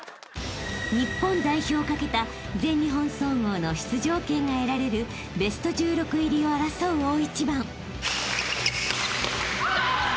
［日本代表を懸けた全日本総合の出場権が得られるベスト１６入りを争う大一番］